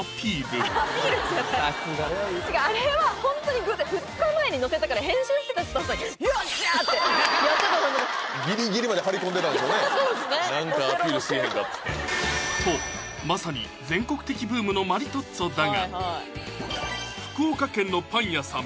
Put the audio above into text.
へんかっつってとまさに全国的ブームのマリトッツォだが福岡県のパン屋さん